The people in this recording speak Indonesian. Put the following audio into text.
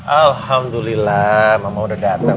alhamdulillah mama udah dateng